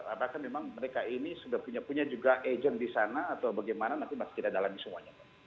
apakah memang mereka ini sudah punya juga agent di sana atau bagaimana nanti masih kita dalami semuanya